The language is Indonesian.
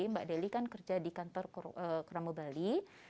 mbak deli kan kerja di kantor keramu bali